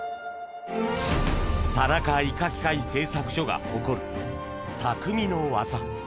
田中医科器械製作所が誇るたくみの技。